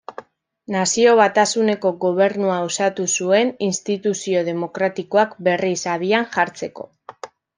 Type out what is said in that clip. Nazio-batasuneko gobernua osatu zuen instituzio demokratikoak berriz abian jartzeko.